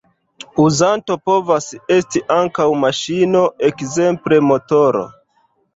Uzanto povas esti ankaŭ maŝino, ekzemple motoro.